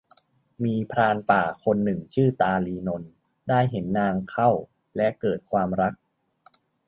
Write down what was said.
มีพรานป่าคนหนึ่งชื่อตาลีนนท์ ได้เห็นนางเข้าและเกิดความรัก